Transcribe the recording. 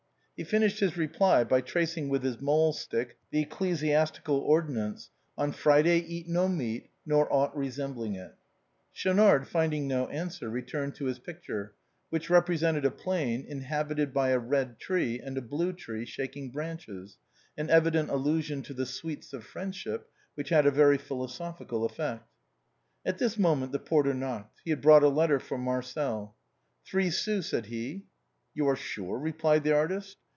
He finished his reply by tracing with his mahl stick the ec clesiastical ordinance: " On Friday eat no meat, Nor aught resembling it." Schaunard, finding no answer, returned to his picture, which represented a plain inhabited by a red tree and a blue tree shaking branches; an evident allusion to the sweets of friendship, which had a very philosophical effect. At this moment the porter knocked; he had brought a letter for Marcel. " Three sous," said he. "You are sure?" replied the artist.